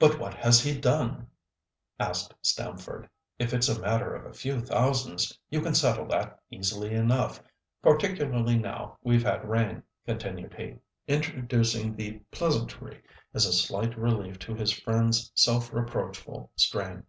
"But what has he done?" asked Stamford. "If it's a matter of a few thousands, you can settle that easily enough—particularly now we've had rain," continued he, introducing the pleasantry as a slight relief to his friend's self reproachful strain.